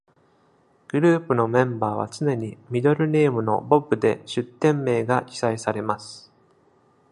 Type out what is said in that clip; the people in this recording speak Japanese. グループのメンバーは常に、ミドルネームの「ボブ」で出典名が記載されます。